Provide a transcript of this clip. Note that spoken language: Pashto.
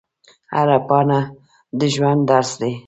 هره پاڼه د ژوند درس دی